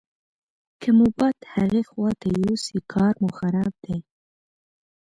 که مو باد هغې خواته یوسي کار مو خراب دی.